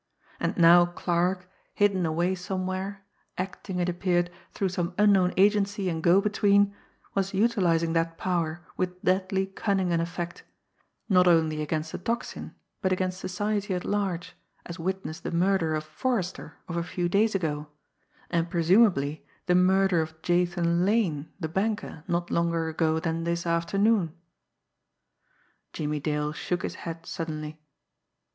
And now Clarke, hidden away somewhere, acting, it appeared, through some unknown agency and go between, was utilising that power with deadly cunning and effect not only against the Tocsin, but against society at large, as witness the murder of Forrester of a few days ago, and presumably the murder of Jathan Lane, the banker, not longer ago than this afternoon. Jimmie Dale shook his head suddenly.